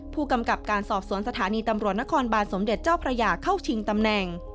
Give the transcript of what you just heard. ผู้กำกับการสอบสวนสถานีตำรวจนครบานสมเด็จเจ้าพระยาเข้าชิงตำแหน่ง